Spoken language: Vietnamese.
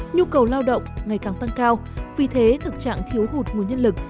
nhu cầu lao động ngày càng tăng cao vì thế thực trạng thiếu hụt nguồn nhân lực